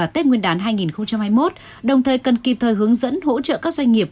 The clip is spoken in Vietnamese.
tết nguyên đán hai nghìn hai mươi một đồng thời cần kịp thời hướng dẫn hỗ trợ các doanh nghiệp